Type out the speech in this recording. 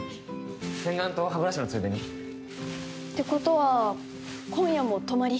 洗顔と歯ブラシのついでにてことは今夜も泊まり？